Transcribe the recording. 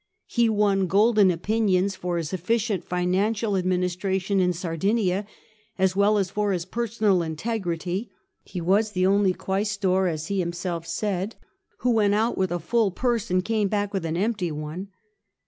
He won golden opinions for his efficient financial administration in Sardinia, as well as for his personal integrity ; he was the only quaestor — as he him self said — who went out with a full purse and came back with an empty one.